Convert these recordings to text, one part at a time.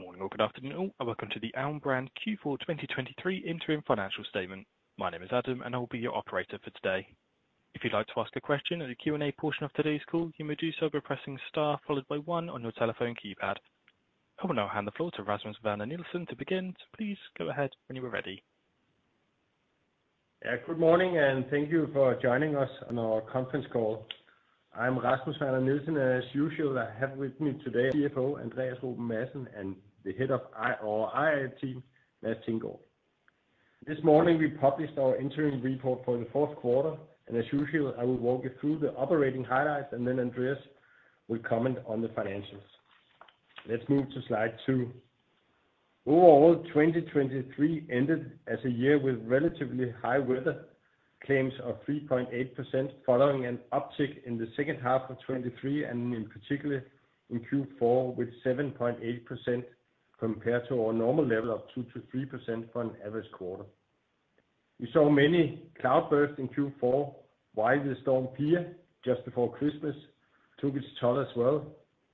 Good morning or good afternoon, all, and welcome to the Alm. Brand Q4 2023 interim financial statement. My name is Adam, and I will be your operator for today. If you'd like to ask a question in the Q&A portion of today's call, you may do so by pressing star, followed by one on your telephone keypad. I will now hand the floor to Rasmus Werner Nielsen to begin. Please go ahead when you are ready. Yeah, good morning, and thank you for joining us on our conference call. I'm Rasmus Werner Nielsen, and as usual, I have with me today CFO, Andreas Madsen, and the head of IR, our IR team, Mads Thinggaard. This morning, we published our interim report for the fourth quarter, and as usual, I will walk you through the operating highlights, and then Andreas will comment on the financials. Let's move to slide two. Overall, 2023 ended as a year with relatively high weather claims of 3.8%, following an uptick in the second half of 2023, and in particular, in Q4, with 7.8%, compared to our normal level of 2%-3% for an average quarter. We saw many cloudbursts in Q4, while the Storm Pia, just before Christmas, took its toll as well,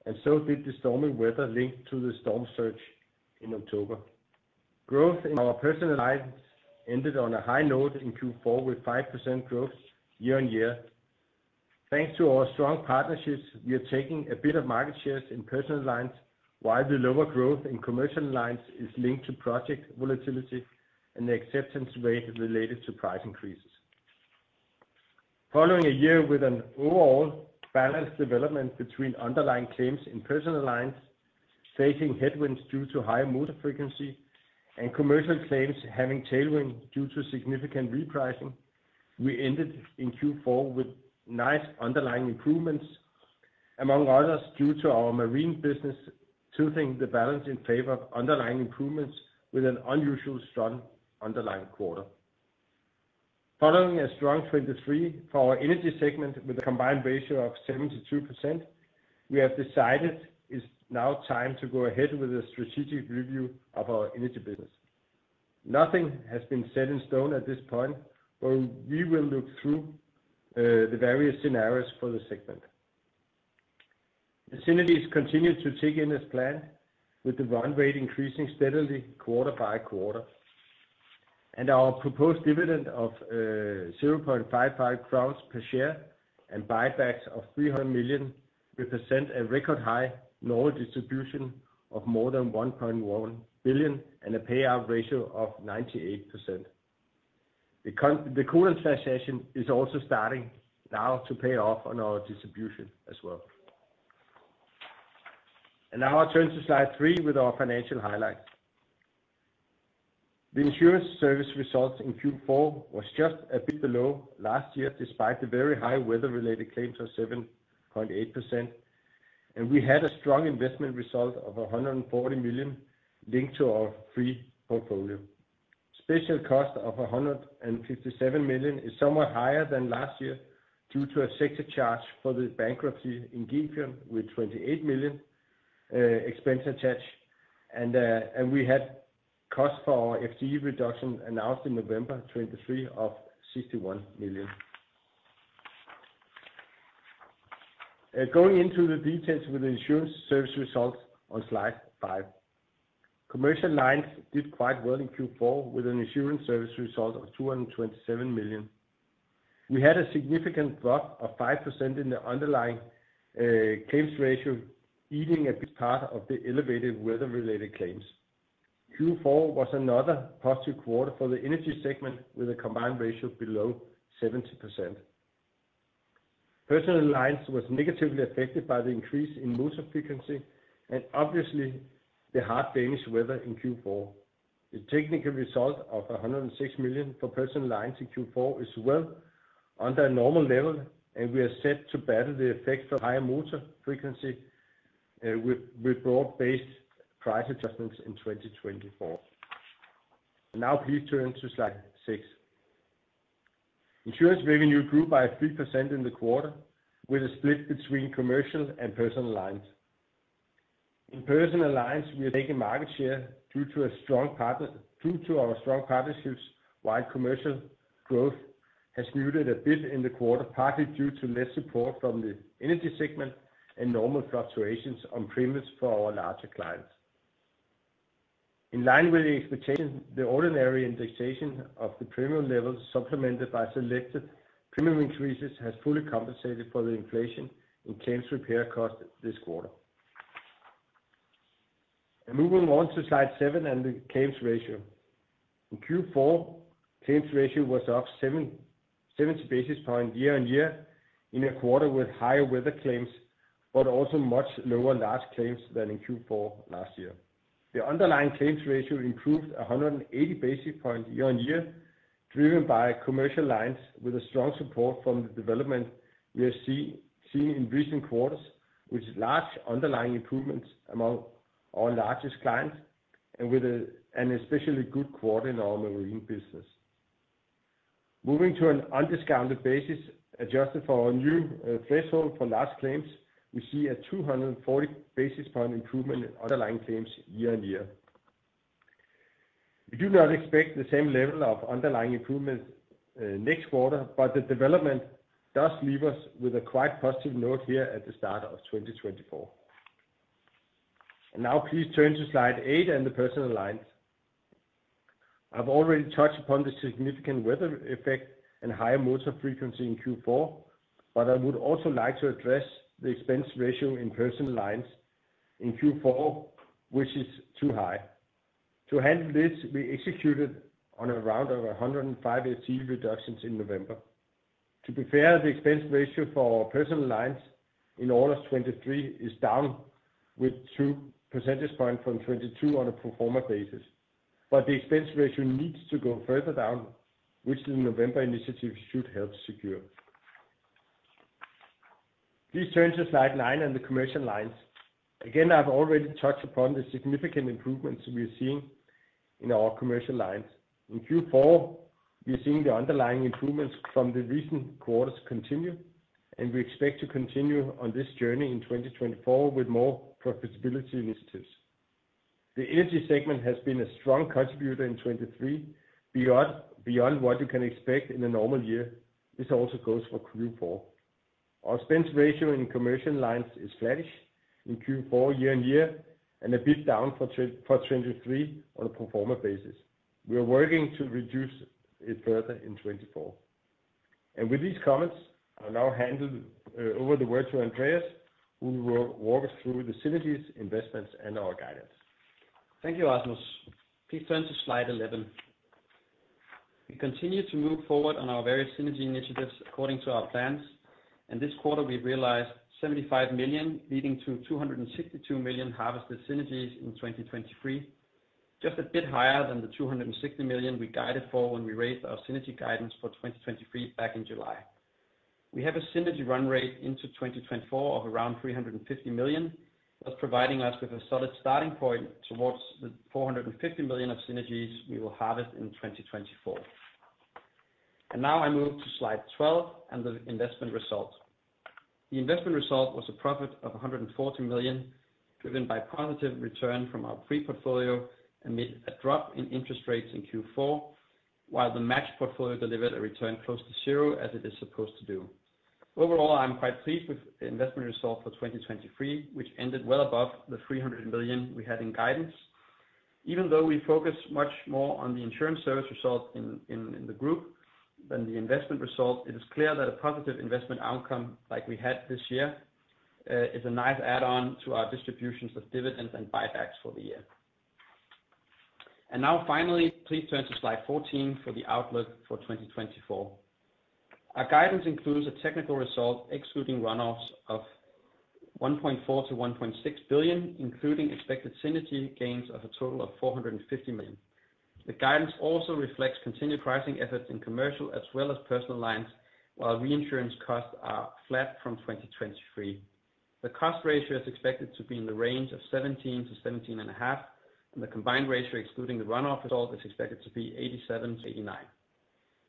and so did the stormy weather linked to the storm surge in October. Growth in our personal lines ended on a high note in Q4, with 5% growth year-over-year. Thanks to our strong partnerships, we are taking a bit of market shares in personal lines, while the lower growth in commercial lines is linked to project volatility and the acceptance rate related to price increases. Following a year with an overall balanced development between underlying claims in personal lines, facing headwinds due to high motor frequency and commercial claims having tailwind due to significant repricing, we ended in Q4 with nice underlying improvements, among others, due to our marine business tilting the balance in favor of underlying improvements with an unusually strong underlying quarter. Following a strong 2023 for our energy segment with a combined ratio of 72%, we have decided it's now time to go ahead with a strategic review of our energy business. Nothing has been set in stone at this point, but we will look through the various scenarios for the segment. Synergies continue to tick in as planned, with the run rate increasing steadily quarter by quarter. Our proposed dividend of 0.55 crowns per share and buybacks of 300 million represent a record high normal distribution of more than 1.1 billion and a payout ratio of 98%. The current taxation is also starting now to pay off on our distribution as well. Now I'll turn to slide 3 with our financial highlights. The insurance service results in Q4 was just a bit below last year, despite the very high weather-related claims of 7.8%, and we had a strong investment result of 140 million linked to our free portfolio. Special cost of 157 million is somewhat higher than last year due to a sector charge for the bankruptcy in Gefion, with 28 million expense attached, and we had costs for our FTE reduction announced in November 2023 of 61 million. Going into the details with the insurance service results on slide 5. Commercial lines did quite well in Q4, with an insurance service result of 227 million. We had a significant drop of 5% in the underlying claims ratio, eating a big part of the elevated weather-related claims. Q4 was another positive quarter for the energy segment, with a combined ratio below 70%. Personal lines was negatively affected by the increase in motor frequency and obviously the hard Danish weather in Q4. The technical result of 106 million for personal lines in Q4 is well under a normal level, and we are set to battle the effects of higher motor frequency with broad-based price adjustments in 2024. Now please turn to slide 6. Insurance revenue grew by 3% in the quarter, with a split between commercial and personal lines. In personal lines, we are taking market share due to our strong partnerships, while commercial growth has muted a bit in the quarter, partly due to less support from the energy segment and normal fluctuations on premiums for our larger clients. In line with the expectations, the ordinary indexation of the premium levels, supplemented by selected premium increases, has fully compensated for the inflation in claims repair costs this quarter. Moving on to slide 7 and the claims ratio. In Q4, claims ratio was up 77 basis points year-on-year, in a quarter with higher weather claims, but also much lower large claims than in Q4 last year. The underlying claims ratio improved 180 basis points year-on-year, driven by commercial lines with a strong support from the development we have seen in recent quarters, with large underlying improvements among our largest clients and with an especially good quarter in our marine business. Moving to an undiscounted basis, adjusted for our new threshold for large claims, we see a 240 basis point improvement in underlying claims year-on-year. We do not expect the same level of underlying improvements next quarter, but the development does leave us with a quite positive note here at the start of 2024. Now please turn to slide 8 and the personal lines. I've already touched upon the significant weather effect and higher motor frequency in Q4, but I would also like to address the expense ratio in personal lines in Q4, which is too high. To handle this, we executed on a round of 105 FTE reductions in November. To be fair, the expense ratio for our personal lines in all of 2023 is down with 2 percentage points from 2022 on a pro forma basis. But the expense ratio needs to go further down, which the November initiative should help secure. Please turn to slide 9 and the commercial lines. Again, I've already touched upon the significant improvements we are seeing in our commercial lines. In Q4, we are seeing the underlying improvements from the recent quarters continue, and we expect to continue on this journey in 2024 with more profitability initiatives. The energy segment has been a strong contributor in 2023, beyond, beyond what you can expect in a normal year. This also goes for Q4. Our expense ratio in commercial lines is flat-ish in Q4, year-on-year, and a bit down for 2023 on a pro forma basis. We are working to reduce it further in 2024. With these comments, I'll now hand over the word to Andreas, who will walk us through the synergies, investments, and our guidance. Thank you, Rasmus. Please turn to slide 11. We continue to move forward on our various synergy initiatives according to our plans, and this quarter, we realized 75 million, leading to 262 million harvested synergies in 2023. Just a bit higher than the 260 million we guided for when we raised our synergy guidance for 2023 back in July. We have a synergy run rate into 2024 of around 350 million, thus providing us with a solid starting point towards the 450 million of synergies we will harvest in 2024. And now I move to slide 12 and the investment results. The investment result was a profit of 140 million, driven by positive return from our free portfolio amid a drop in interest rates in Q4, while the match portfolio delivered a return close to zero, as it is supposed to do. Overall, I'm quite pleased with the investment result for 2023, which ended well above the 300 million we had in guidance. Even though we focus much more on the insurance service result in the group than the investment result, it is clear that a positive investment outcome, like we had this year, is a nice add-on to our distributions of dividends and buybacks for the year. And now finally, please turn to slide 14 for the outlook for 2024. Our guidance includes a technical result, excluding run-offs of 1.4 billion-1.6 billion, including expected synergy gains of a total of 450 million. The guidance also reflects continued pricing efforts in commercial as well as personal lines, while reinsurance costs are flat from 2023. The cost ratio is expected to be in the range of 17%-17.5%, and the combined ratio, excluding the run-off result, is expected to be 87%-89%.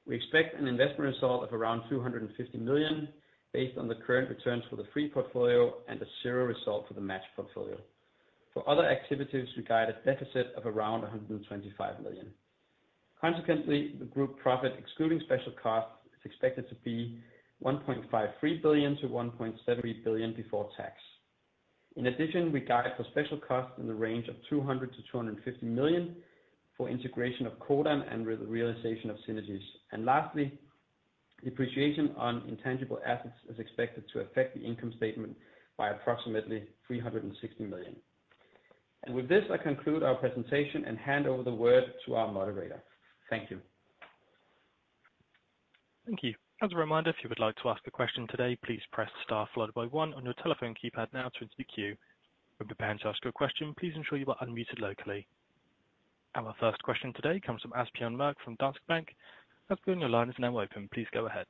We expect an investment result of around 250 million based on the current returns for the free portfolio and a zero result for the match portfolio. For other activities, we guide a deficit of around 125 million. Consequently, the group profit, excluding special costs, is expected to be 1.53 billion-1.7 billion before tax. In addition, we guide for special costs in the range of 200 million-250 million for integration of Codan and the realization of synergies. Lastly, depreciation on intangible assets is expected to affect the income statement by approximately 360 million. With this, I conclude our presentation and hand over the word to our moderator. Thank you. Thank you. As a reminder, if you would like to ask a question today, please press star followed by one on your telephone keypad now to enter the queue. When preparing to ask your question, please ensure you are unmuted locally. Our first question today comes from Asbjørn Mørk from Danske Bank. Asbjørn, your line is now open. Please go ahead.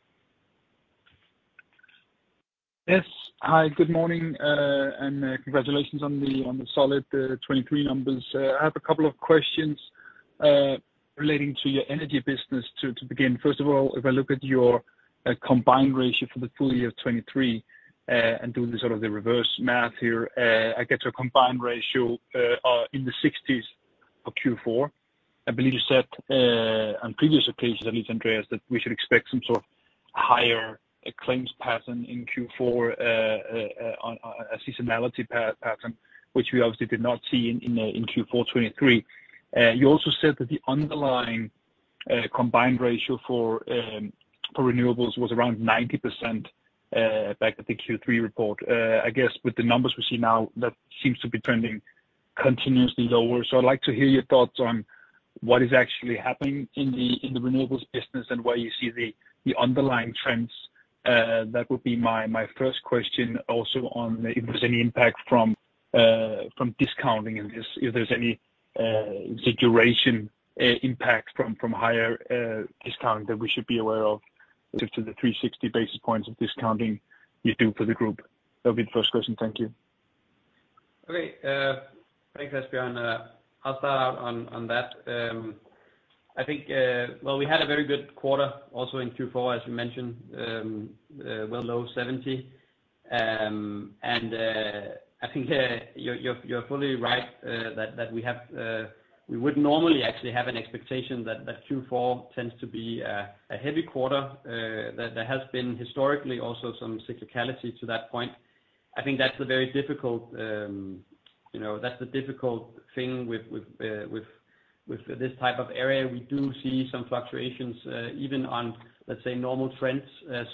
Yes. Hi, good morning, and congratulations on the solid 2023 numbers. I have a couple of questions relating to your energy business to begin. First of all, if I look at your combined ratio for the full year of 2023, and doing the sort of the reverse math here, I get to a combined ratio in the 60s for Q4. I believe you said on previous occasions, at least Andreas, that we should expect some sort of higher claims pattern in Q4 on a seasonality pattern, which we obviously did not see in Q4 2023. You also said that the underlying combined ratio for renewables was around 90% back at the Q3 report. I guess with the numbers we see now, that seems to be trending continuously lower. So I'd like to hear your thoughts on what is actually happening in the, in the renewables business and where you see the, the underlying trends. That would be my, my first question. Also on if there's any impact from, from discounting and if, if there's any, the duration, impact from, from higher, discounting that we should be aware of due to the 360 basis points of discounting you do for the group. That'll be the first question. Thank you. Okay, thanks, Asbjørn. I'll start out on that. I think, well, we had a very good quarter also in Q4, as we mentioned, well, low seventy. And, I think, you're fully right, that we have, we would normally actually have an expectation that Q4 tends to be a heavy quarter. That there has been historically also some cyclicality to that point. I think that's a very difficult, you know, that's the difficult thing with this type of area. We do see some fluctuations, even on, let's say, normal trends.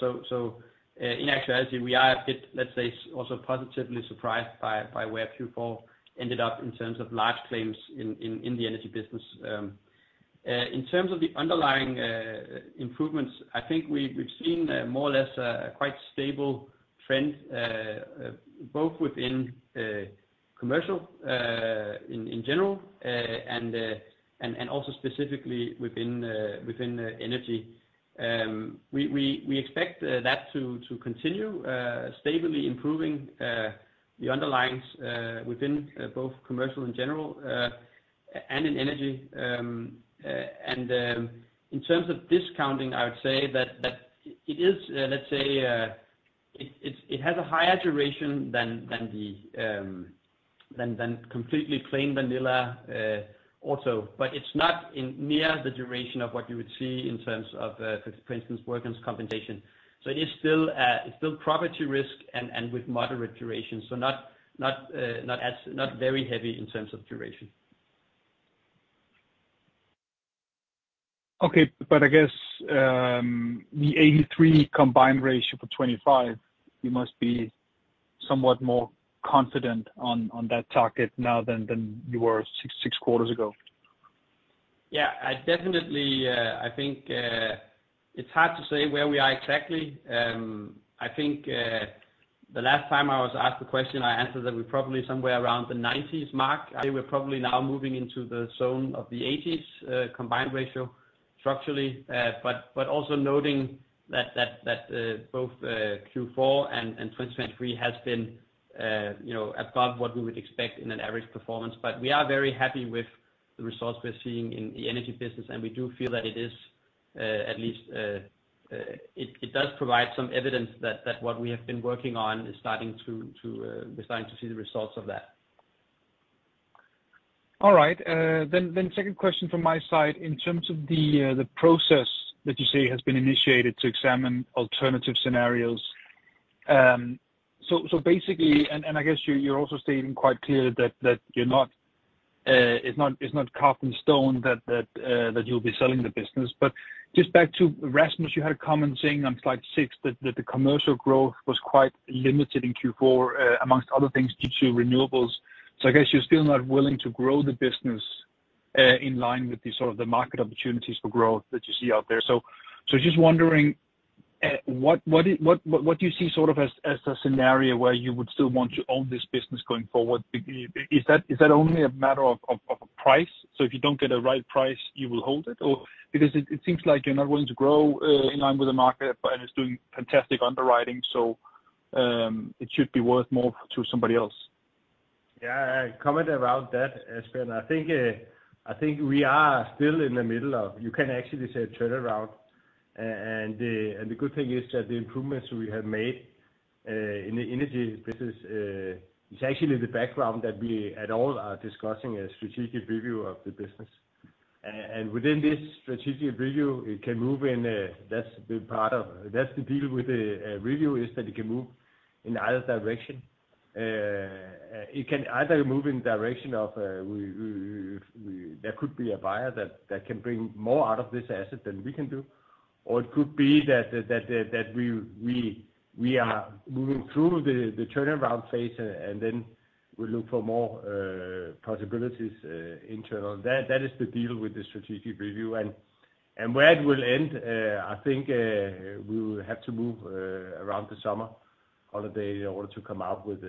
So, in actuality, we are a bit, let's say, also positively surprised by where Q4 ended up in terms of large claims in the energy business. In terms of the underlying improvements, I think we've seen more or less a quite stable trend both within commercial in general and also specifically within energy. We expect that to continue stably improving the underlyings within both commercial and general and in energy. And in terms of discounting, I would say that it is let's say it has a higher duration than the completely plain vanilla also. But it's not in near the duration of what you would see in terms of for instance workers' compensation. So it is still, it's still property risk and with moderate duration, so not as, not very heavy in terms of duration. Okay. But I guess, the 83% combined ratio for 25, you must be somewhat more confident on that target now than you were six quarters ago. Yeah, I definitely think it's hard to say where we are exactly. I think the last time I was asked the question, I answered that we're probably somewhere around the 90s mark. I think we're probably now moving into the zone of the 80s, combined ratio structurally. But also noting that both Q4 and 2023 has been, you know, above what we would expect in an average performance. But we are very happy with the results we're seeing in the energy business, and we do feel that it is at least it does provide some evidence that what we have been working on is starting to we're starting to see the results of that. All right. Then, second question from my side, in terms of the process that you say has been initiated to examine alternative scenarios. So, basically, and I guess you're also stating quite clear that you're not, it's not carved in stone, that you'll be selling the business. But just back to Rasmus, you had a comment saying on slide 6 that the commercial growth was quite limited in Q4, amongst other things, due to renewables. So I guess you're still not willing to grow the business, in line with the sort of the market opportunities for growth that you see out there. So just wondering, what do you see sort of as a scenario where you would still want to own this business going forward? But is that only a matter of price? So if you don't get a right price, you will hold it, or? Because it seems like you're not willing to grow in line with the market, but and it's doing fantastic underwriting, so it should be worth more to somebody else. Yeah, I comment around that, Asbjørn Mørk. I think we are still in the middle of, you can actually say, a turnaround. And the good thing is that the improvements we have made in the energy business is actually the background that we at all are discussing a strategic review of the business. And within this strategic review, it can move in a-- that's the big part of it. That's the deal with the review is that it can move in either direction. It can either move in the direction of, we there could be a buyer that can bring more out of this asset than we can do. Or it could be that we are moving through the turnaround phase, and then we look for more possibilities internal. That is the deal with the strategic review. And where it will end, I think we will have to move around the summer holiday in order to come out with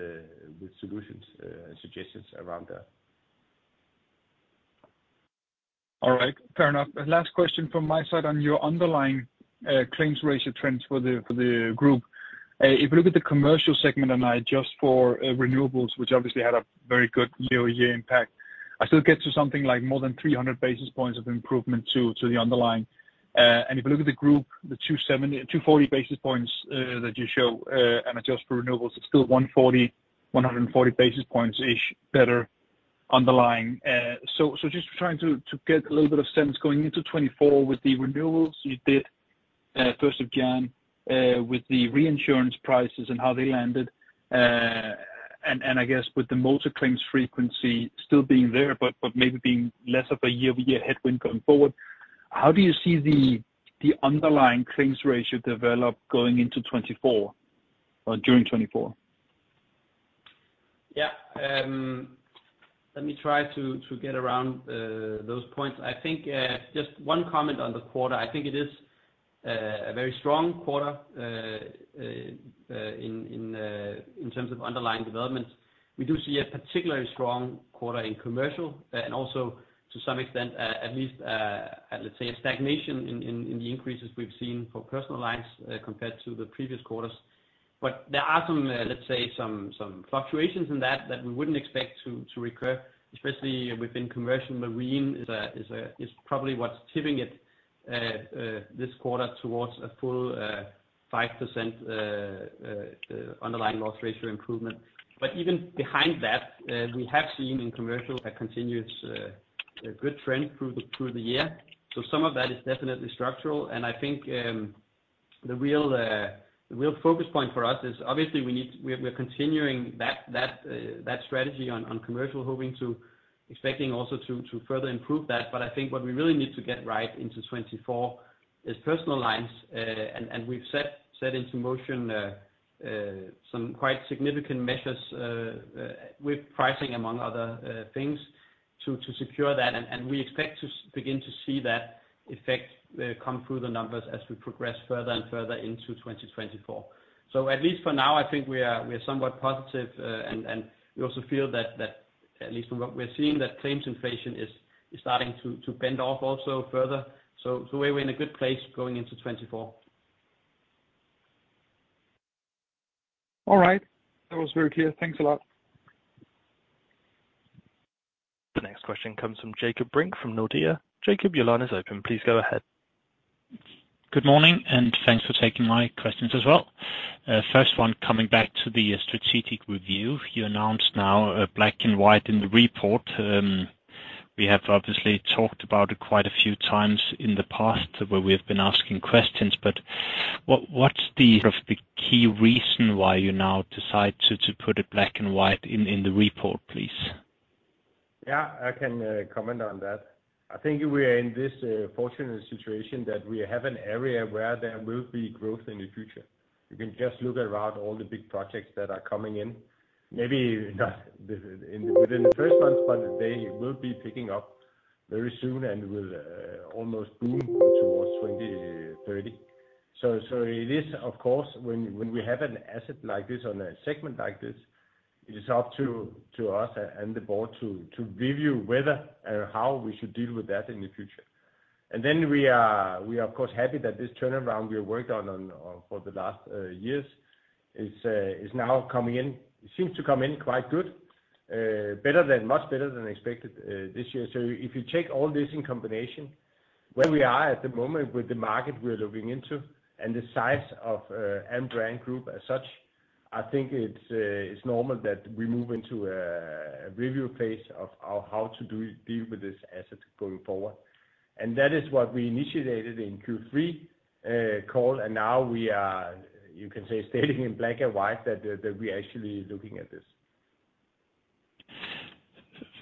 solutions and suggestions around that. All right. Fair enough. Last question from my side on your underlying claims ratio trends for the group. If you look at the commercial segment, and I adjust for renewables, which obviously had a very good year-over-year impact, I still get to something like more than 300 basis points of improvement to the underlying. And if you look at the group, the 270-240 basis points that you show, and adjust for renewables, it's still 140 basis points-ish better underlying. So just trying to get a little bit of sense going into 2024 with the renewables you did first of January with the reinsurance prices and how they landed. I guess with the motor claims frequency still being there, but maybe being less of a year-over-year headwind going forward, how do you see the underlying claims ratio develop going into 2024, or during 2024? Yeah. Let me try to get around those points. I think just one comment on the quarter. I think it is a very strong quarter in terms of underlying developments. We do see a particularly strong quarter in commercial and also, to some extent, at least, let's say, a stagnation in the increases we've seen for personal lines compared to the previous quarters. But there are some, let's say some fluctuations in that that we wouldn't expect to recur, especially within commercial marine, is probably what's tipping it this quarter towards a full 5% underlying loss ratio improvement. But even behind that, we have seen in commercial a continuous a good trend through the year. So some of that is definitely structural. And I think, the real focus point for us is obviously, we are continuing that strategy on commercial, hoping to expecting also to further improve that. But I think what we really need to get right into 2024 is personal lines. And we've set into motion some quite significant measures with pricing, among other things, to secure that. And we expect to begin to see that effect come through the numbers as we progress further and further into 2024. So at least for now, I think we are somewhat positive. We also feel that, at least from what we're seeing, claims inflation is starting to bend off also further. So, we're in a good place going into 2024. All right. That was very clear. Thanks a lot. The next question comes from Jakob Brink from Nordea. Jakob, your line is open. Please go ahead. Good morning, and thanks for taking my questions as well. First one, coming back to the strategic review. You announced now black and white in the report. We have obviously talked about it quite a few times in the past, where we have been asking questions, but what's the sort of the key reason why you now decide to put it black and white in the report, please? Yeah, I can comment on that. I think we are in this fortunate situation, that we have an area where there will be growth in the future. You can just look around all the big projects that are coming in. Maybe not within the first months, but they will be picking up very soon and will almost boom towards 2030. So it is, of course, when we have an asset like this on a segment like this, it is up to us and the board to review whether or how we should deal with that in the future. And then we are, of course, happy that this turnaround we have worked on for the last years is now coming in. It seems to come in quite good, better than, much better than expected, this year. So if you take all this in combination, where we are at the moment with the market we're looking into, and the size of, Alm. Brand Group as such, I think it's normal that we move into a review phase of how to deal with this asset going forward. And that is what we initiated in Q3 call, and now we are, you can say, stating in black and white that we're actually looking at this.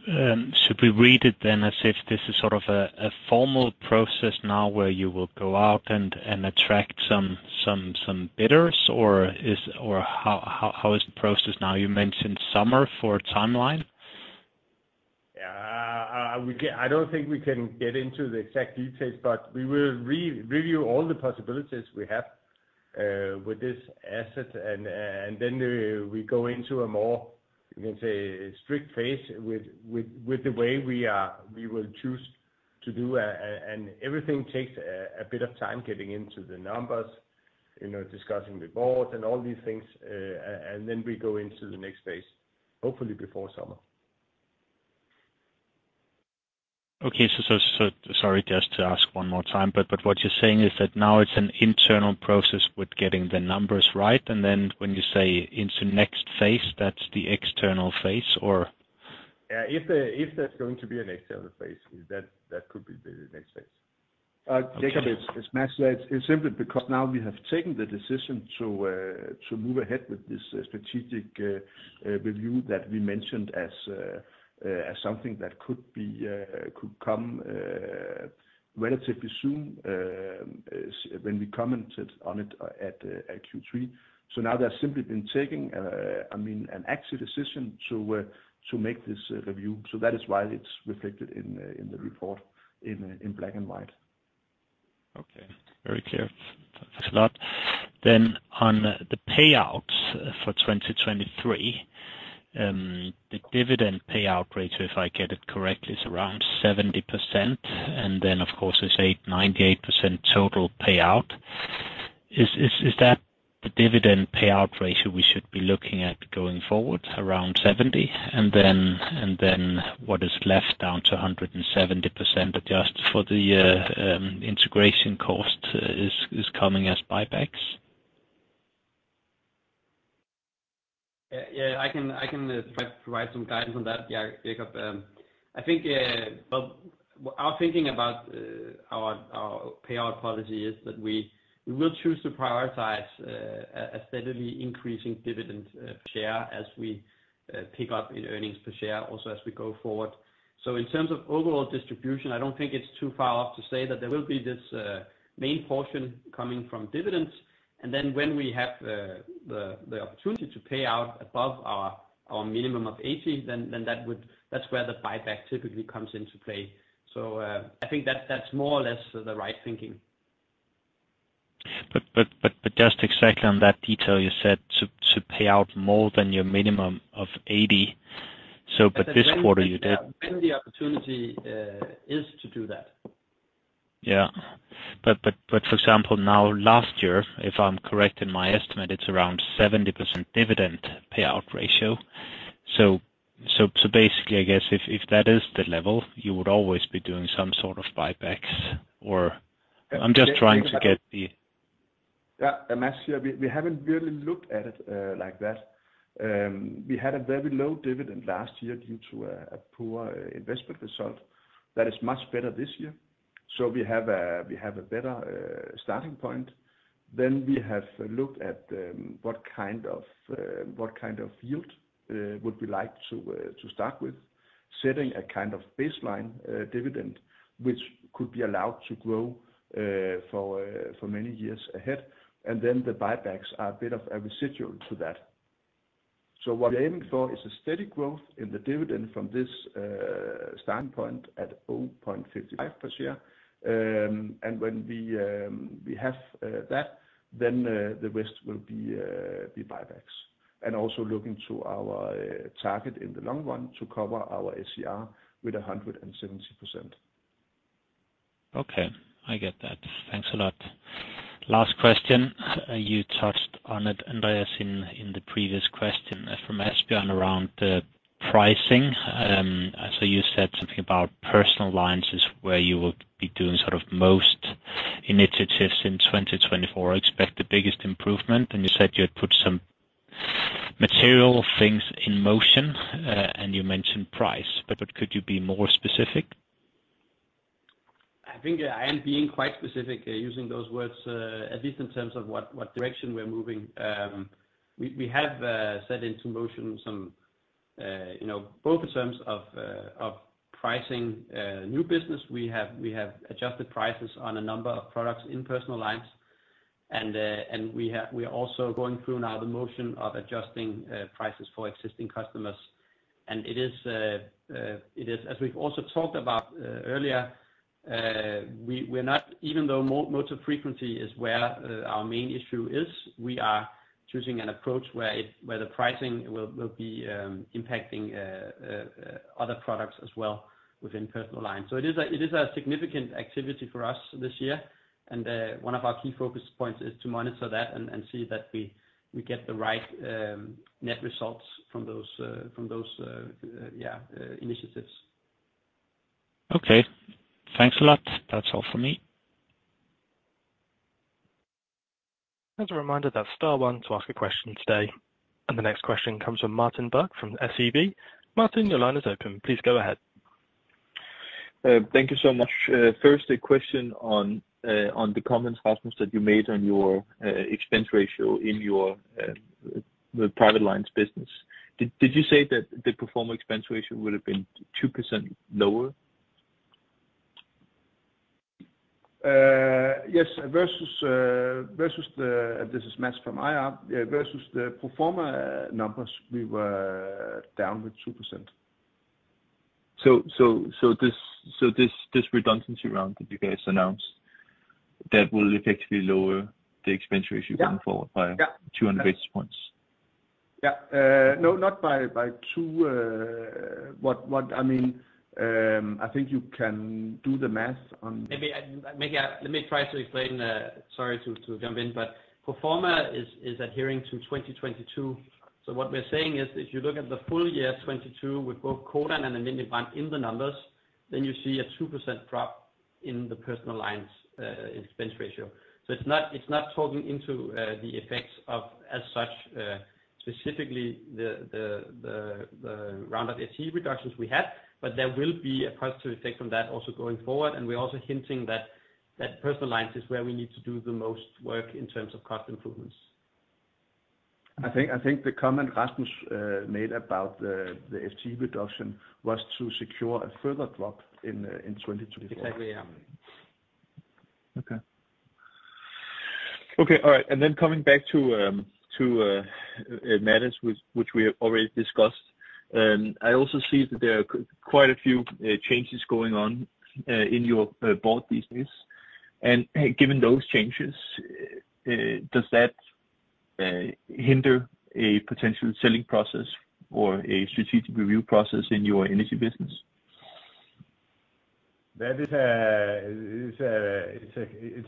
Should we read it then as if this is sort of a formal process now, where you will go out and attract some bidders, or is, or how is the process now? You mentioned summer for timeline. Yeah, we can't—I don't think we can get into the exact details, but we will review all the possibilities we have with this asset. Then we go into a more, you can say, strict phase with the way we are, we will choose to do, and everything takes a bit of time, getting into the numbers, you know, discussing the board and all these things. Then we go into the next phase, hopefully before summer. Okay, so sorry, just to ask one more time, but what you're saying is that now it's an internal process with getting the numbers right? And then when you say into next phase, that's the external phase, or? Yeah, if there's going to be a next phase, that could be the next phase. Okay. Jakob, it's simply because now we have taken the decision to move ahead with this strategic review that we mentioned as something that could come relatively soon, when we commented on it at Q3. So now there's simply been taking, I mean, an actual decision to make this review. So that is why it's reflected in the report in black and white. Okay. Very clear. Thanks a lot. Then, on the payouts for 2023, the dividend payout ratio, if I get it correctly, is around 70%. And then, of course, it's eight... 98% total payout. Is, is, is that the dividend payout ratio we should be looking at going forward, around 70%? And then, and then what is left down to 170%, adjusted for the integration cost, is, is coming as buybacks? Yeah, I can provide some guidance on that, yeah, Jacob. I think, well, our thinking about our payout policy is that we will choose to prioritize a steadily increasing dividend per share, as we pick up in earnings per share, also as we go forward. So in terms of overall distribution, I don't think it's too far off to say that there will be this main portion coming from dividends. And then when we have the opportunity to pay out above our minimum of 80, then that would. That's where the buyback typically comes into play. So, I think that's more or less the right thinking. But just exactly on that detail, you said to pay out more than your minimum of 80, so but this quarter you did- When the opportunity is to do that? Yeah. But for example, now, last year, if I'm correct in my estimate, it's around 70% dividend payout ratio. So basically, I guess if that is the level, you would always be doing some sort of buybacks or I'm just trying to get the- Yeah, and actually, we haven't really looked at it like that. We had a very low dividend last year due to a poor investment result. That is much better this year. So we have a better starting point. Then we have looked at what kind of yield would we like to start with. Setting a kind of baseline dividend, which could be allowed to grow for many years ahead, and then the buybacks are a bit of a residual to that. So what we're aiming for is a steady growth in the dividend from this standpoint at 0.55 per share. And when we have that, then the rest will be buybacks. Also looking to our target in the long run to cover our SCR with 170%. Okay, I get that. Thanks a lot. Last question. You touched on it, Andreas, in the previous question from Asbjørn around the pricing. So you said something about personal lines is where you will be doing sort of most initiatives in 2024, expect the biggest improvement, and you said you had put some material things in motion, and you mentioned price, but could you be more specific? I think I am being quite specific using those words, at least in terms of what direction we're moving. We have set into motion some you know both in terms of pricing new business. We have adjusted prices on a number of products in personal lines, and we are also going through now the motion of adjusting prices for existing customers. And it is, as we've also talked about earlier, we're not, even though motor frequency is where our main issue is, we are choosing an approach where the pricing will be impacting other products as well within personal lines. So it is a significant activity for us this year, and one of our key focus points is to monitor that and see that we get the right net results from those initiatives. Okay, thanks a lot. That's all for me. As a reminder, that's star one to ask a question today. The next question comes from Martin Birk from SEB. Martin, your line is open. Please go ahead. Thank you so much. First, a question on the comments, Rasmus, that you made on your expense ratio in your the personal lines business. Did you say that the pro forma expense ratio would have been 2% lower? Yes, this is Mads from IR. Versus the pro forma numbers, we were down 2%. So, this redundancy round that you guys announced, that will effectively lower the expense ratio going forward by- Yeah. 200 basis points? Yeah. No, not by two. What I mean, I think you can do the math on- Maybe I'll make a let me try to explain, sorry to jump in, but pro forma is adhering to 2022. So what we're saying is, if you look at the full year 2022 with both Codan and Alm. Brand in the numbers, then you see a 2% drop in the personal lines expense ratio. So it's not talking into the effects of as such, specifically the round of FTE reductions we had, but there will be a positive effect from that also going forward. And we're also hinting that personal lines is where we need to do the most work in terms of cost improvements. I think the comment Rasmus made about the FTE reduction was to secure a further drop in 2024. Exactly, yeah. Okay. Okay, all right, and then coming back to matters which we have already discussed, I also see that there are quite a few changes going on in your board business. And given those changes, does that hinder a potential selling process or a strategic review process in your energy business? That is,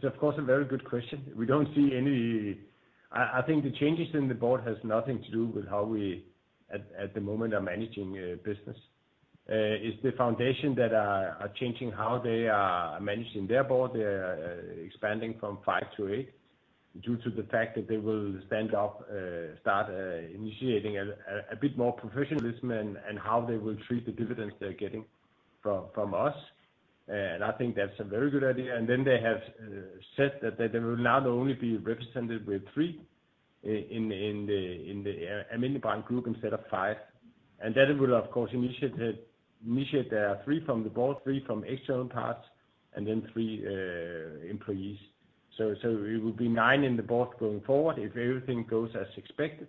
of course, a very good question. We don't see any... I think the changes in the board has nothing to do with how we at the moment are managing business. It's the foundation that are changing how they are managing their board. They're expanding from five to eight due to the fact that they will stand up start initiating a bit more professionalism and how they will treat the dividends they're getting from us. And I think that's a very good idea. And then they have said that they will now only be represented with three in the Alm. Brand Group instead of five. And that would, of course, initiate three from the board, three from external parts, and then three employees. So it will be nine in the board going forward if everything goes as expected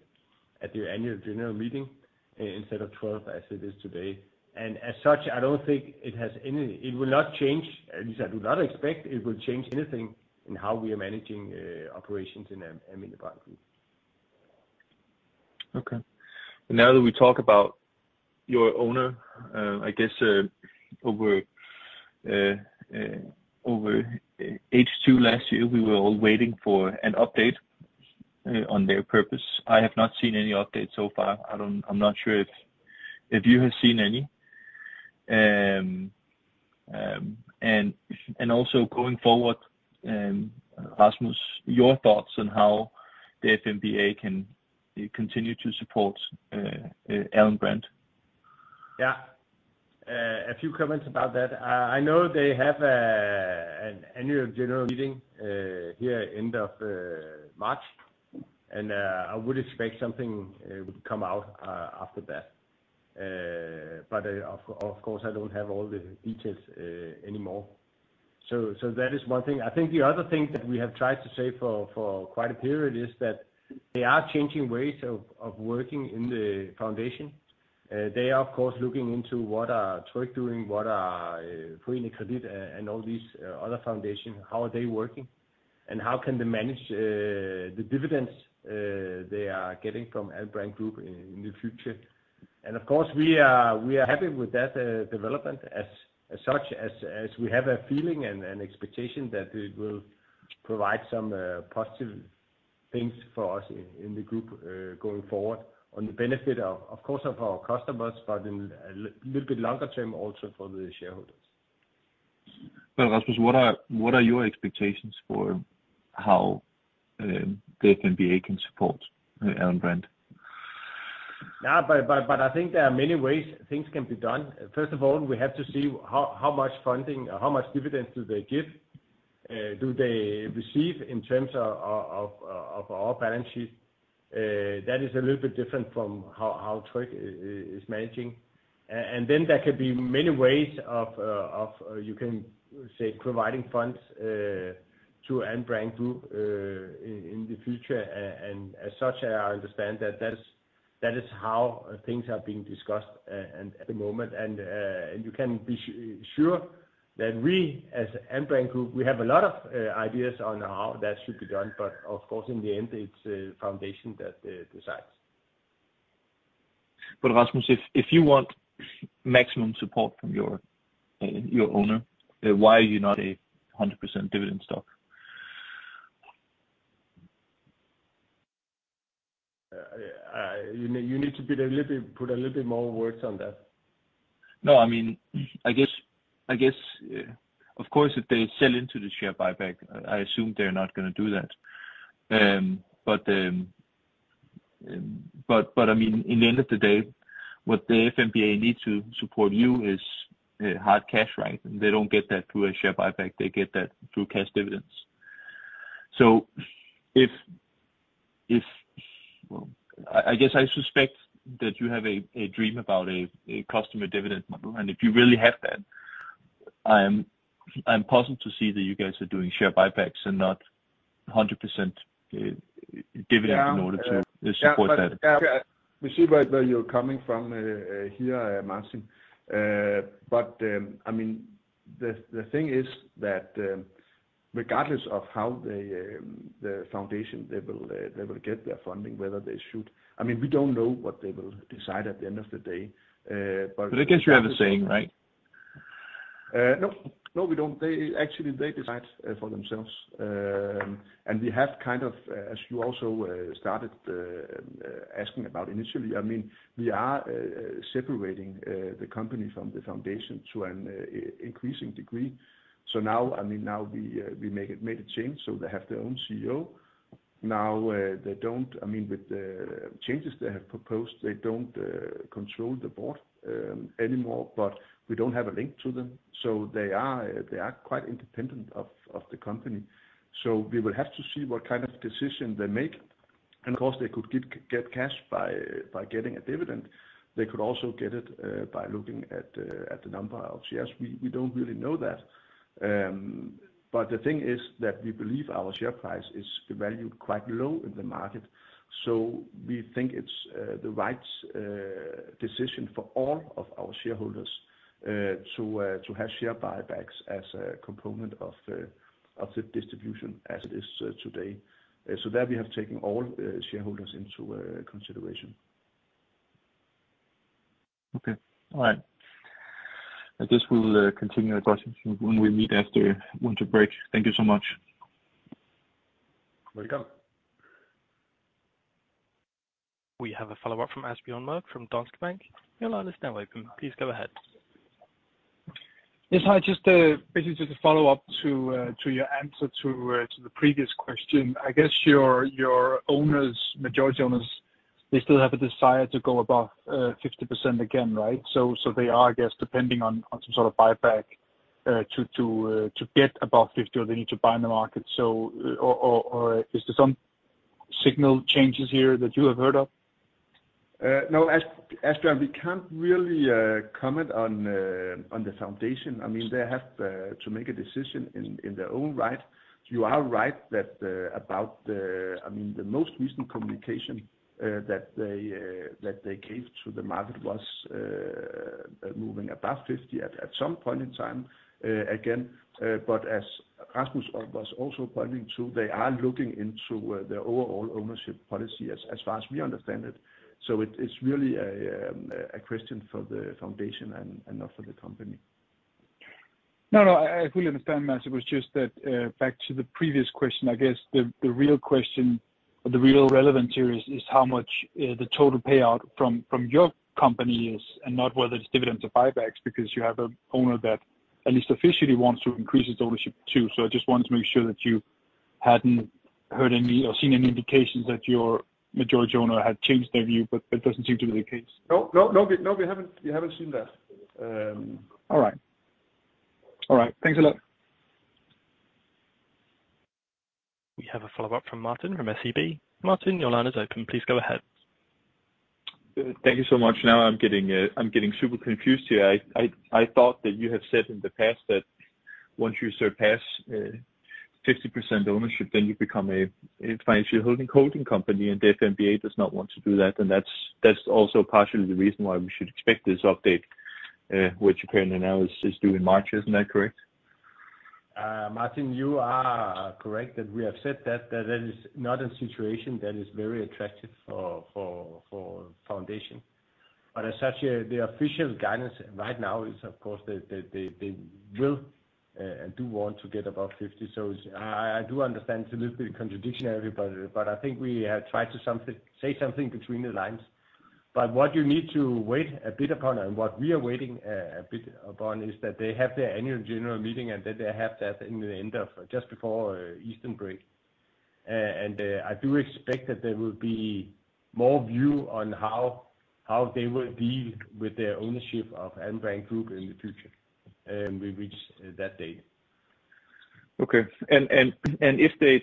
at the annual general meeting, instead of 12, as it is today. And as such, I don't think it has any it will not change, at least I do not expect it will change anything in how we are managing operations in Alm. Brand. Okay. Now that we talk about your owner, I guess, over H2 last year, we were all waiting for an update on their purpose. I have not seen any update so far. I don't. I'm not sure if you have seen any. Also going forward, Rasmus, your thoughts on how the FMBA can continue to support Alm. Brand? Yeah. A few comments about that. I, I know they have an annual general meeting here end of March, and I would expect something would come out after that. But of course, I don't have all the details anymore. So that is one thing. I think the other thing that we have tried to say for quite a period is that they are changing ways of working in the foundation. They are, of course, looking into what are Tryg doing, what are Forenet Kredit, and all these other foundation, how are they working? And how can they manage the dividends they are getting from Alm. Brand Group in the future. And of course, we are happy with that development as such, as we have a feeling and expectation that it will provide some positive things for us in the group going forward on the benefit of, of course, our customers, but in a little bit longer term, also for the shareholders. Rasmus, what are your expectations for how the FMBA can support Alm. Brand? Yeah, but I think there are many ways things can be done. First of all, we have to see how much funding, how much dividends do they give, do they receive in terms of our balance sheet. That is a little bit different from how Tryg is managing. And then there could be many ways of, you can say, providing funds to Alm. Brand Group in the future. And as such, I understand that that's, that is how things are being discussed at the moment. And you can be sure that we, as Alm. Brand Group, we have a lot of ideas on how that should be done, but of course, in the end, it's the foundation that decides. Rasmus, if you want maximum support from your owner, why are you not 100% dividend stock? You need to be a little bit, put a little bit more words on that. No, I mean, I guess, of course, if they sell into the share buyback, I assume they're not gonna do that. But, but I mean, at the end of the day, what the FMBA need to support you is hard cash, right? They don't get that through a share buyback, they get that through cash dividends. So if... Well, I guess I suspect that you have a dream about a customer dividend model, and if you really have that, I'm puzzled to see that you guys are doing share buybacks and not 100%, dividend in order to- Yeah. Support that. Yeah, we see where you're coming from, here, Martin. But, I mean, the thing is that, regardless of how the foundation, they will get their funding, whether they should... I mean, we don't know what they will decide at the end of the day, but- But I guess you have a saying, right? No, no, we don't. They actually, they decide for themselves. And we have kind of, as you also started asking about initially, I mean, we are separating the company from the foundation to an increasing degree. So now, I mean, now we made a change, so they have their own CEO. Now, they don't. I mean, with the changes they have proposed, they don't control the board anymore, but we don't have a link to them. So they are quite independent of the company. So we will have to see what kind of decision they make. And of course, they could get cash by getting a dividend. They could also get it by looking at the number of shares. We don't really know that. But the thing is that we believe our share price is valued quite low in the market, so we think it's the right decision for all of our shareholders to have share buybacks as a component of the distribution as it is today. So that we have taken all shareholders into consideration. Okay. All right. I guess we'll continue our discussion when we meet after winter break. Thank you so much. Welcome! We have a follow-up from Asbjørn Mørk from Danske Bank. Your line is now open. Please go ahead. Yes, hi, just basically just a follow-up to your answer to the previous question. I guess your owners, majority owners, they still have a desire to go above 50% again, right? So, they are, I guess, depending on some sort of buyback to get above 50%, or they need to buy in the market. So, or is there some signal changes here that you have heard of? No, Asbjørn, we can't really comment on the foundation. I mean, they have to make a decision in their own right. You are right about the... I mean, the most recent communication that they gave to the market was moving above 50 at some point in time again. But as Rasmus was also pointing to, they are looking into the overall ownership policy as far as we understand it. So it is really a question for the foundation and not for the company. No, no, I fully understand, Mads. It was just that, back to the previous question, I guess the real question or the real relevance here is how much the total payout from your company is, and not whether it's dividends or buybacks, because you have a owner that at least officially wants to increase its ownership, too. So I just wanted to make sure that you hadn't heard any or seen any indications that your majority owner had changed their view, but that doesn't seem to be the case. No, no, no, we, no, we haven't, we haven't seen that. All right. All right, thanks a lot. We have a follow-up from Martin from SEB. Martin, your line is open. Please go ahead. Thank you so much. Now I'm getting super confused here. I thought that you have said in the past that once you surpass 50% ownership, then you become a financial holding company, and FMBA does not want to do that. And that's also partially the reason why we should expect this update, which apparently now is just due in March. Isn't that correct? Martin, you are correct that we have said that that is not a situation that is very attractive for foundation. But as such, the official guidance right now is, of course, that they will and do want to get above 50. So I do understand it's a little bit contradictory, but I think we have tried to say something between the lines. But what you need to wait a bit upon, and what we are waiting a bit upon, is that they have their annual general meeting, and that they have that at the end of just before Easter break. And I do expect that there will be more view on how they will deal with their ownership of Alm. Brand Group in the future, we reach that date. Okay. And if they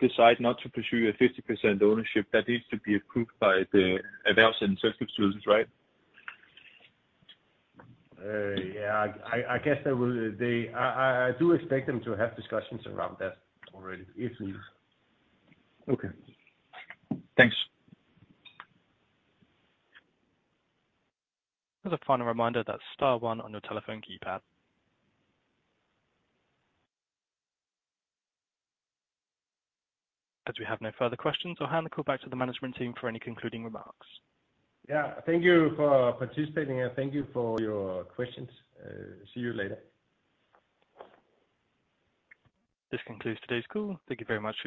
decide not to pursue a 50% ownership, that needs to be approved by the advisory services, right? Yeah, I guess they will. I do expect them to have discussions around that already, easily. Okay. Thanks. As a final reminder, that's star one on your telephone keypad. As we have no further questions, I'll hand the call back to the management team for any concluding remarks. Yeah, thank you for participating, and thank you for your questions. See you later. This concludes today's call. Thank you very much for your participation.